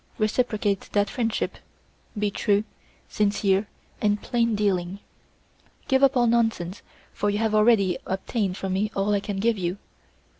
Reciprocate that friendship, be true, sincere, and plain dealing. Give up all nonsense, for you have already obtained from me all I can give you.